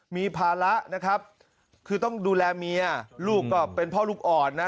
มีภาระนะครับคือต้องดูแลเมียลูกก็เป็นพ่อลูกอ่อนนะ